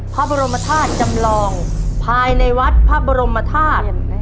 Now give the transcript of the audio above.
พระบรมธาตุจำลองภายในวัดพระบรมธาตุ